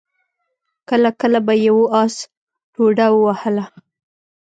کله کله به يوه آس ټوډه ووهله.